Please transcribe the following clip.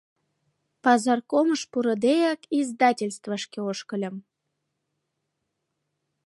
Пазаркомыш пурыдеак, издательствышке ошкыльым.